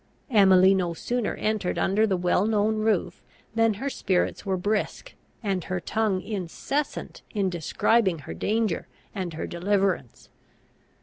Emily no sooner entered under the well known roof than her spirits were brisk, and her tongue incessant in describing her danger and her deliverance.